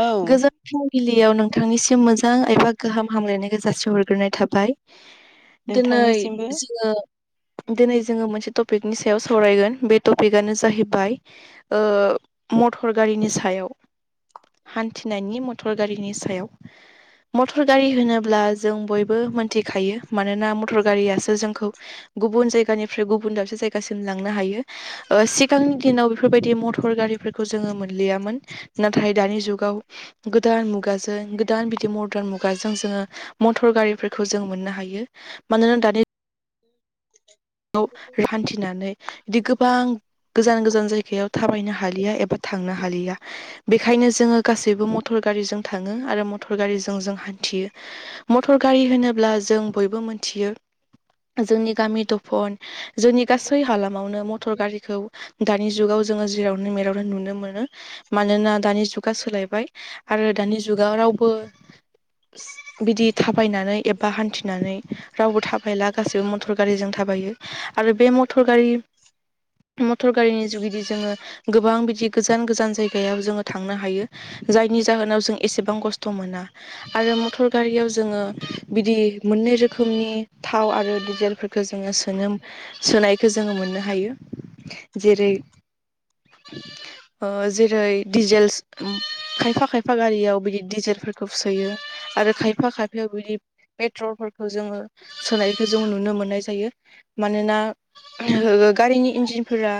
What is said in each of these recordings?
औ गोजोन फुंबिलियाव नोंथांनिसिम मोजां एबा गाहाम हामलायनायखौ जासिहरग्रोनाय थाबाय दिनै नोंथांनिसिमबो जोङो दिनै जोङो मोनसे टपिकनि सायाव सावरायगोन बे टपिकानो जाहैबाय ओ मथर गारिनि सायाव हान्थिनायनि मटर गारिनि सायाव मटर गारि होनोब्ला जों बयबो मोनथिखायो मानोना मटर गारियासो जोंखौ गुबुन जायगानिफ्राय गुबुन दाबसे जायगासिम लांनो हायो। सिगांनि दिनाव बेफोरबायदि मटर गारिफोरखौ जोङो मोनलियामोन नाथाय दानि जुगाव गोदान मुगाजों गोदान मदार्न मुगाजों जोङो मथर गारिफोरखौ जों मोननो हायो मानोना दानि [inaudible] खौ हान्थिनानै बिदि गोबां गोजान गोजान जायगायाव थाबायनो हालिया एबा थांनो हालिया बेखायनो जोङो गासैबो मटर गारिजों थाङो आरो मटर गारिजों जों हान्थियो मटर गारि होनोब्ला जों बयबो मोनथियो जोंनि गामि फन जोंनि गासै हालामावनो मटर गारिखौ दानि जुगाव जोङो जेरावनो मेरावनो नुनो मोनो। मानोना दानि जुगा सोलायबाय आरो दानि जुगाव रावबो बिदि थाबायनानै एबा हान्थिनानै रावबो थाबायला गासैबो मटर गारिजों थाबायो आरो बे मटर गारि मटर गारिनि जुगिदि जोङो गोबां बिदि गोजान गोजान जायगायाव जोङो थांनो हायो। जायनि जाहोनाव जों एसेबां खस्थ' मोना आरो मटर गारियाव जोङो बिदि मोननै रोखोमनि थाव आरो डिजेलफोर खौ जोङो सो सोनायखौ जोङो मोननो हायो जेरै जेरै दिजेलस खायफा खायफा गारियाव बिदि डिजेलफोरखौ सोयो आरो खायफा खायफायाव बिदि पेट्रलफोरखौ जोङो सोनायखौ जों नुनो मोननाय जायो मानोना गारिनि इन्जिनफोरा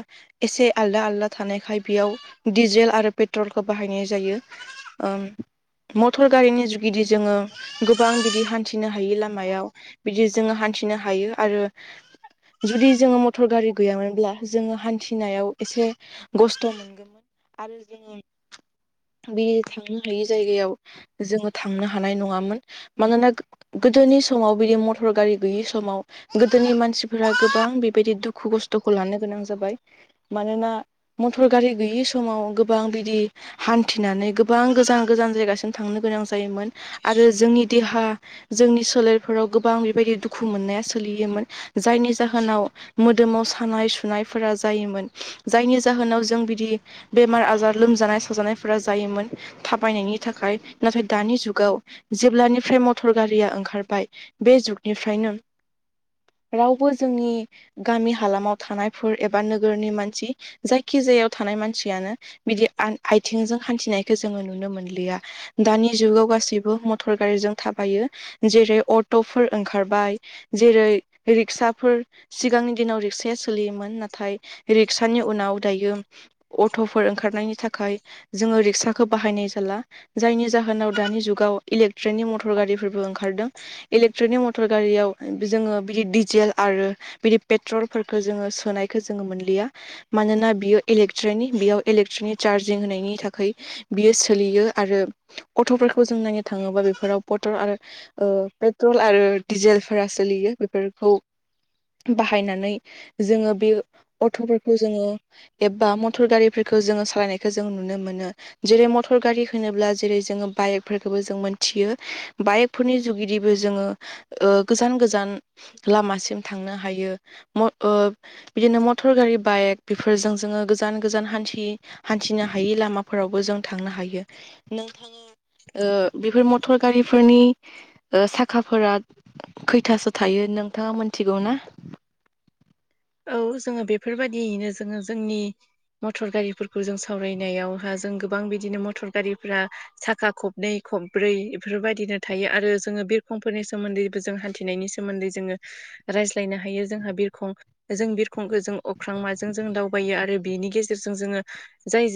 एसे आलदा आलदा थानायखाय बेयाव डिजेल आरो पेट्रलखौ बाहायनाय जायो ओं मटर गारिनि जुगिदि जोङो गोबां बिदि हान्थिनो हायि लामायाव बिदि जोङो हान्थिनो हायो आरो जुदि जोङो मटर गारि गैयामोनब्ला जोङो हान्थिनायाव एसे खस्थ' मोनगौमोन आरो जोङो बे थांनो हायि जायगायाव जोङो थांनो हानाय नङामोन मानोना गोदोनि समाव बिदि मटर गारि गैयि समाव गोदोनि मानसिफोरा गोबां बेबायदि दुखु खस्थ'खौ लानो गोनां जाबाय मानोना मटर गारि गैयि समाव गोबां बिदि हान्थिनानै गोबां गोजान गोजान जायगासिम थांनो गोनां जायोमोन आरो जोंनि देहा जोंनि सोलेरफोराव गोबां बेबायदि दुखु मोननाया सोलियोमोन जायनि जाहोनाव मोदोमाव सानाय सुनायफोरा जायोमोन जायनि जाहोनाव जों बिदि बेमार आजार लोमजानाय साजानाय फोर जायोमोन थाबायनायनि थाखाय नाथाय दानि जुगाव जेब्लानिफ्राय मटर गारिया ओंखारबाय बे जुगनिफ्रायनो रावबो जोंनि गामि हालामाव थानायफोर एबा नोगोरनि मानसि जायखि जायाव थानाय मानसियानो बिदि आइथिंजों हान्थिनायखौ जोङो नुनो मोनलिया दानि जुगाव गासैबो मटर गारिजों थाबायो जेरै अट'फोर ओंखारबाय जेरै रिक्साफोर सिगांनि दिनाव रिक्साया सोलियोमोन नाथाय नाथाय रिक्सानि उनाव दायो अट'फोर ओंखारनायनि थाखाय जोङो रिक्साखौ बाहायनाय जाला जायनि जाहोनाव दानि जुगाव इलेक्ट्रिकनि मटर गारिफोरबो ओंखारदों इलेकट्रनिक मटर गारियाव जोङो बिदि डिजेल आरो बिदि पेट्रलफोरखौ जोङो सोनायखौ जोङो मोनलिया मानोना बियो इलेक्ट्रनिक बेयाव इलेक्ट्रनिक चार्जिं होनायनि थाखाय बियो सोलियो आरो अट'फोरखौ जों नायनो थाङोबा बेफोराव पटल आरो पेट्रल आरो डिजेल फोरा सोलियो बेफोरखौ बाहायनानै जोङो बे अथ'फोरखौ जोङो एबा मटर गारिफोरखौ जोङो सालायनायखौ जों नुनो मोनो जेरै मटर गारि होनोब्ला जेरै जोङो बाइकफोरखौबो जों मोनथियो बाइकफोरनि जुगिदिबो जोङो गोजान गोजान लामासिम थांनो हायो बिदिनो मटर गारि बाइक बेफोरजों जोङो गोजान गोजान हान्थि हान्थिनो हायै लामाफोरावबो जों थांनो हायो नोंथाङा ओ बेफोर मटर गारिफोरनि ओ साखाफोरा खैथासो थायो नोंथाङा मोनथिगौ ना औ जोङो बेफोरबायदियैनो जोङो जोंनि मटर गारिफोरखौ जों सावरायनायावहा जों गोबां बिदिनो मटर गारिफोरा साखा खब नै खब्रै बेफोरबायदिनो थायो आरो जोङो बिरखंफोरनि सोमोन्दै जों हान्थिनायनि सोमोन्दै जोङो रायज्लायनो हायो जोंहा बिरखं जों बिरखंखौ जों अख्रां माजों जों दावबायो आरो बिनि गेजेरजों जोङो जाय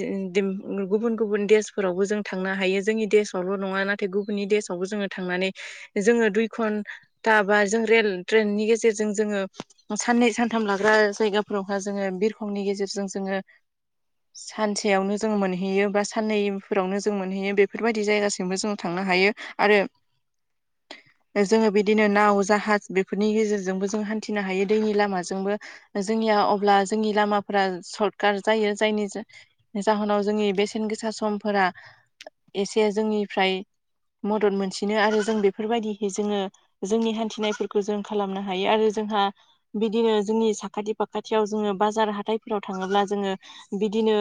गुबुन गुबुन देशफोरावबो जों थांनो हायो जोंनि देशावल' नङा नाथाय गुबुननि देशावबो जोङो थांनानै जोङो दुइ घन दाबा जों रेल ट्रेननि गेजेरजों जोङो साननै सान थांङाबो जायगाफोरावहा जोङो बिरखंनि गेजेरजों जोङो [inaudible] सानसेयावनो जों मोनहैयो बा साननैफोरावनो जों मोनहैयो बेफोरबायदि जायगासिमबो जों थांनो हायो आरो [inaudible] जोङो बिदिनो नाव जाहाज बेफोरनि गेजेरजोंबो जों हान्थिनो हायो दैनि लामाजों जोंबो जोंनिया अब्ला जोंनि लामाफोरा सर्ट काट जायो जायनि जाहोनाव जोंनि बेसेन गोसा समफोरा एसे जोंनिफ्राय मदद मोनसिनो आरो जों बेफोरबायदिहे जोङो जोंनि हान्थिनायफोरखौ जों खालामनो हायो आरो जोंहा बिदिनो जोंनि साखाथि फाखाथियाव जोङो बाजार हाथायफोराव थाङोब्ला जोङो बिदिनो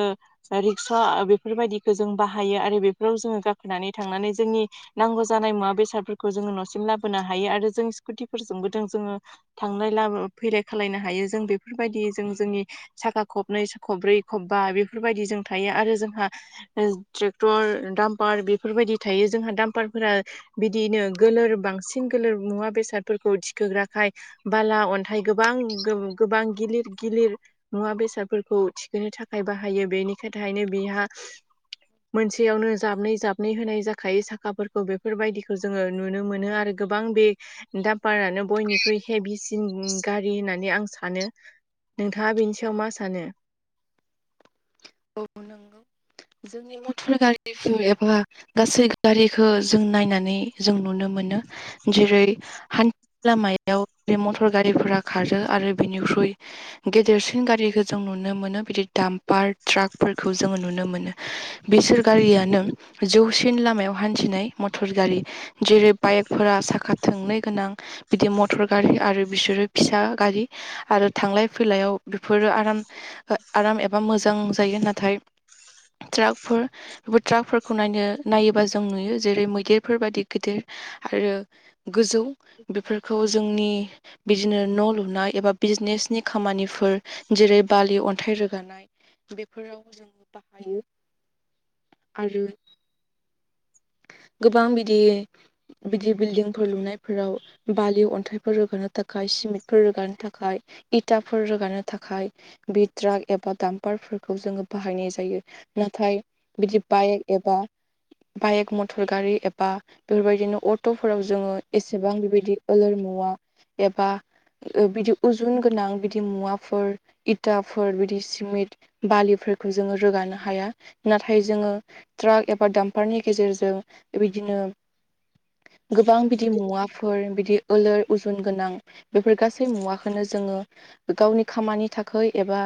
रिक्सा बेफोरबायदिखौ जों बाहायो आरो बेफोराव जोङो गाखोनानै थांनानै जोंनि नांगौ जानाय मुवा बेसादफोरखौ जोङो न'सिम लाबोनो हायो आरो जों स्कुटिफोरजोंबो जों जोङो थांनाय लाबो फैलाय खालामलायनो हायो जों बेफोरबायदि जों जोंनि साखा खबनै स खब्रै खबबा बेफोरबायदि जों थायो आरो जोंहा ट्रेक्टर दामपार बेफोरबायदि थायो जोंहा दामपारफोरा बिदिैनो गोलोर बांसिन गोलोर मुवा बेसादफोरखौ थिखोग्राखाय बाला अन्थाइ गोबां गोबां गिलिर गिलिर मुवा बेसादफोरखौ थिखोनो थाखाय बाहायो बेनिखाय थाखायनो बिहा मोनसेयावनो जाबनै जाबनै होनाय जाखायो साखाफोरखौ बेफोरबायदिखौ जोङो नुनो मोनो आरो गोबां बे दामपारानो बयनिख्रुइ हेभिसि न गारि होननानै आं सानो नोंथाङा बेनि सायाव मा सानो औ नोंगौ जोंनि मटर गारिफोर एबा गासै गारिखो जों नायनानै जों नुनो मोनो जेरै हानि लामाया याव मटर गारिफोरा खारो आरो बिनिख्रुइ गेदेरसिन गारि जों नुनो मोनो बिदि दाम्पार ट्राकफोरखौ जोङो नुनो मोनो बिसोर गारियानो जौसिन लामायाव हान्थिनाय मटर गारि जेरै बाइकफोरा साखा थोंनै गोनां बिदि मटर गारि आरो बिसोरो फिसा गारि आरो थांलाय फैलायाव बेफोरो आराम आराम एबा मोजां जायो नाथाय ट्राकफोर ट्राकफोरखौ नायनो नायोबा जों नुयो जेरै मैदेरफोर बायदि गिदिर आरो गोजौ बेफोरखौ जोंनि बिदिनो न' लुनाय एबा बिजनेसनि खामानिफोर जेरै बालि अन्थाइ रोगानाय फोराव जोङो बाहायो आरो गोबां बिदि बिदि बिल्डिंफोर लुनायफोराव बालि अन्थाइफोर रोगानो थाखाय सिमेन्टफोर रोगानो थाखाय इथाफोर रोगानो थाखाय बे ट्राक एबा दामपारफोरखौ जोङो बाहायनाय जायो नाथाय बिदि बाइ एबा बाइक मटर गारि एबा बेफोरबायदिनो अट'फोराव जोङो एसेबां बेबायदि लोर मुवा एबा बिदि उजुन गोनां बिदि मुवाफोर इथाफोर बिदि सिमेन्ट बालिफोरखौ जोङो रोगानो हाया नाथाय जोङो ट्राक एबा बारनि गेजेरजों बिदिनो गोबां बिदि मुवा फोर बिदि लोर उजुन गोनां बेफोर गासै मुवाखौनो जोङो गावनि खामानि थाखाय एबा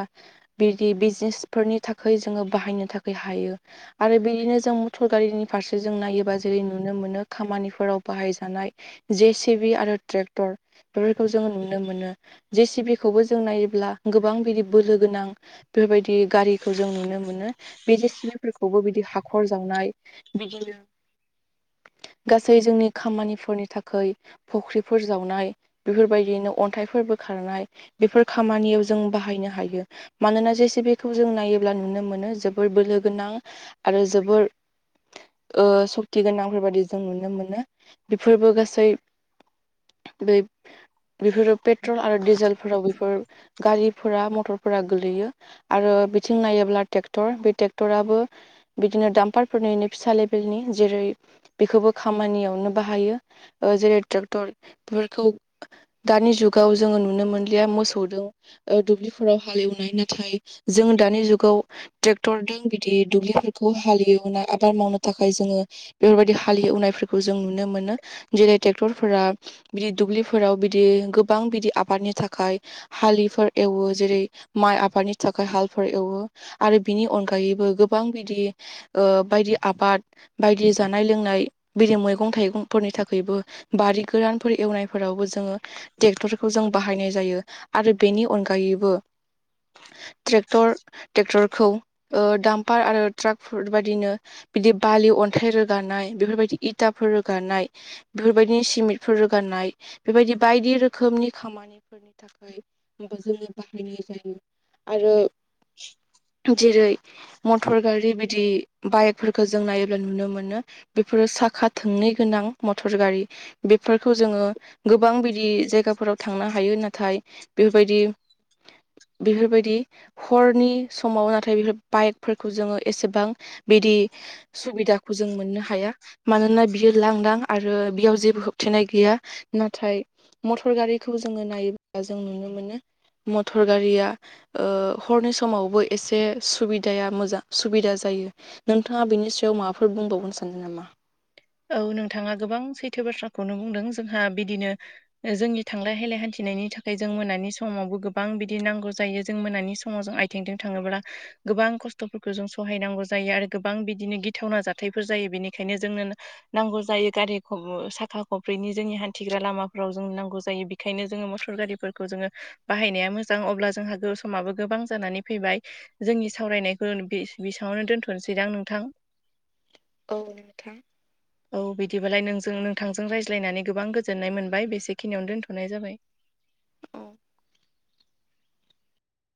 बिदि बिजनेसफोरनि थाखाय जोङो बाहायनो थाखाय हायो आरो बिदिनो जों टल गारिनि फारसे जों नायोबा जेरै नुनो मोनो खामानिफोराव बाहायजानाय जे सिभि आरो ट्रेक्टर बेफोरखौ जोङो नुनो मोनो जेसिपिखौबो जों नायोब्ला गोबां बिदि बोलो गोनां बेबायदि गारिखौ जों नुनो मोनो बे जे सि बि फोरखौबो बिदि हाखर जावनाय बिदिनो गासै जोंनि खामानिफोरनि थाखाय खै फुख्रिफोर जावनाय बेफोरबायदिनो अन्थाइफोरबो खारनाय बेफोर खामानियाव जों बाहायनो हायो मानोना जेसे बेखौ जों नायोब्ला नुनो मोनो जोबोर बोलो गोनां आरो जोबोर लांदां सक्ति गोनांफोर बायदि जों नुनो मोनो बेफोरबो गासै बेफोर बे पेट्रल आरो डिजेलफोराव बेफोर गारिफोरा मटरफोरा गोलैयो आरो बिथिं नायोब्ला ट्रेक्टर बे ट्रेक्टराबो बिदिनो दाम पारफोरनिनो फिसा लेबेलनि जेरै बेखौबो खामानियावनो बाहायो जेरै ट्रेक्टर बेफोरखौ दानि जुगाव जोङो नुनो मोनलिया मोसौदों दुब्लिफोराव हालेवनाय नाथाय जों दानि जुगाव ट्रेक्टरजों बिदि दुब्लिफोरखौ हाललिवना आबाद मावनो थाखाय जोङो बेफोर बायदि हालेवनायफोरखौ जों नुनो मोनो जेरै ट्रेक्टरफोरा बिदि दुब्लिफोराव बिदि गोबां बिदि आबादनि थाखाय हालिफोर एवो जेरै माइ आबादनि थाखाय हालफोर एवो आरो बिनि अनगायैबो गोबां बिदि बायदि आबाद बायदि जानाय लोंनाय बिदि मैगं थाइगंफोरनि थाखायबो बारि गोरानफोर एवनायफोरावबो जोङो ट्रेक्टरखौ जों बाहायनाय जायो आरो बेनि अनगायैबो ट्रेक्टर ट्रेक्टरखौ डामपार आरो ट्राक बेफोरबायदिनो बिदि बालि अन्थाइ रोगानाय बेफोरबायदि इथाफोर रोगानाय बेफोरबायदि सिमेन्टफोर रोगाननाय बेबायदि बायदि रोखोमनि खामानिफोरनि थाखाय खै जोङो बाहायनाय जायो आरो ए जेरै मटर गारि बिदि बाइकफोरखौ जों नायोब्ला नुनो मोनो बेफोरो साखा थोंनै गोनां मटर गारि बेफोरखौ जोङो गोबां बिदि जायगाफोराव थांनो हायो नाथाय बेफोरबायदि बेफोरबायदि हरनि समाव नाथाय बेफोर बाइकफोरखौ जोङो एसेबां बिदि सुबिदाखौ जों मोननो हाया मानोना बियो लांदां आरो बियाव जेबो होबथेनाय गैया नाथाय मटर गारिखौ जोङो नायोब्ला जों नुनो मोनो मटर गारिया हरनि समावबो एसे सुबिदाया मोजां सुबिदा जायो नोंथाङा बिनि सायाव माबाफोर बुंबावनो सानदों नामा औ नोंथाङा गोबां सैथो बाथ्राखौनो बुंदों जोंहा बिदिनो जोंनि थांलाय हैलाय हान्थिनायनि थाखाय जों मोनानि समावबो गोबां बिदि नांगौ जायो जों मोनानि समाव जों आ बिथिंदों थाङोब्ला गोबां खस्थ'फोरखौ जों सहायनांगौ जायो आरो गोबां बिदिनो गिथावना जा थायफोर जायो बेनिखायनो जोंनो नांगौ जायो गारि साखा खब्रैनि जोंनि हान्थिग्रा लामाफोराव जों नांगौ जायो। बेखायनो जोङो मटर गारिफोरखौ जोङो बाहायनाया मोजां अब्ला जोंहा गो समाबो गोबां जानानै फैबाय। जोंनि सावरायनायखौ बेसेयावनो दोन्थ'नोसैदां नोंथां औ नोंथां औ बिदिबालाय नोंजों नोंथांजों रायज्लायनानै गोबां गोजोननाय मोनबाय बेसेखिनियावनो दोनथ'नाय जाबाय। औ